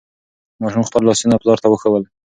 ماشوم خپل لاسونه پلار ته وښودل.